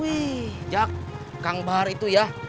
wih jack kang bahar itu ya